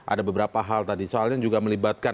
ada beberapa hal tadi soalnya juga melibatkan